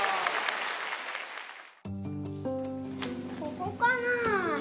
ここかなあ？